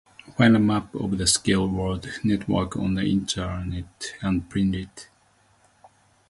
Find a map of the Silk Road network on the Internet and print it.